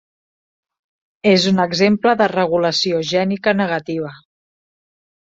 És un exemple de regulació gènica negativa.